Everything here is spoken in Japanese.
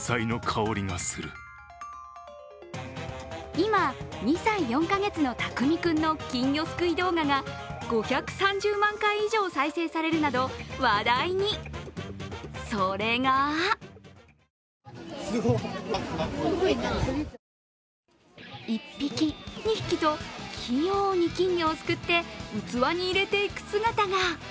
今、２歳４か月のたくみくんの金魚すくい動画が５３０万回以上再生されるなど話題にそれが１匹、２匹と器用に金魚をすくって器に入れていく姿が。